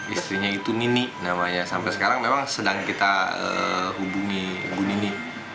istrinya itu nini namanya sampai sekarang memang sedang kita hubungi ibu nini